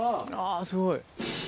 すごい。